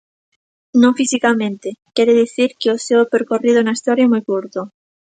Non fisicamente, quere dicir que o seu percorrido na historia é moi curto.